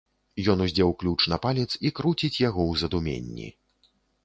Ён уздзеў ключ на палец і круціць яго ў задуменні.